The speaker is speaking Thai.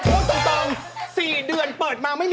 ออกมากี่เดือนแล้ว